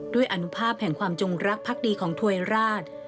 อนุภาพแห่งความจงรักพักดีของถวยราช